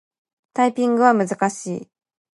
タイピングは難しい。